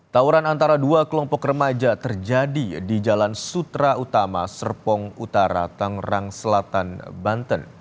tawuran antara dua kelompok remaja terjadi di jalan sutra utama serpong utara tangerang selatan banten